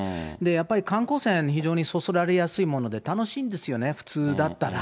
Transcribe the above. やっぱり観光船は非常にそそられやすいもので、楽しいんですよね、普通だったら。